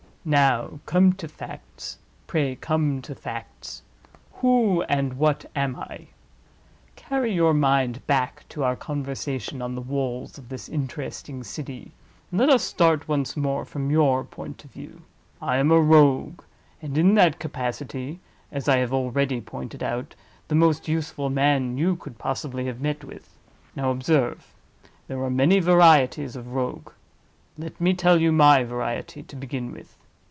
Now come to facts; pray come to facts. Who, and what am I? Carry your mind back to our conversation on the Walls of this interesting City, and let us start once more from your point of view. I am a Rogue; and, in that capacity (as I have already pointed out), the most useful man you possibly could have met with. Now observe! There are many varieties of Rogue; let me tell you my variety, to begin with.